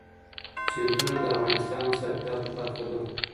سیندونه د افغانستان د صادراتو برخه ده.